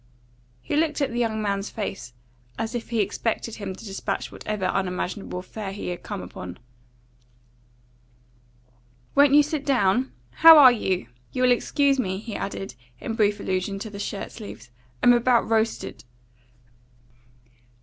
He looked at the young man's face, as if he expected him to despatch whatever unimaginable affair he had come upon. "Won't you sit down? How are you? You'll excuse me," he added, in brief allusion to the shirt sleeves. "I'm about roasted."